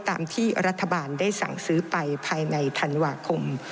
ตามที่รัฐบาลได้สั่งซื้อไปภายในธันวาคม